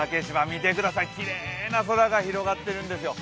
見てください、きれいな空が広がっているんですよ。